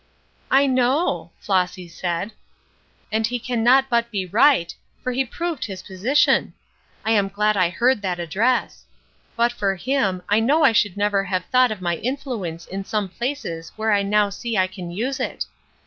"I know," Flossy said; "and he can not but be right, for he proved his position. I am glad I heard that address. But for him, I know I should never have thought of my influence in some places where I now see I can use it.